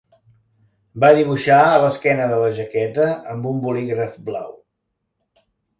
Va dibuixar a l'esquena de la jaqueta amb un bolígraf blau.